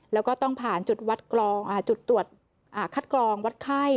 แล้วก็ต้องผ่านจุดวัดกรองจุดตรวจคัดกรองวัดไข้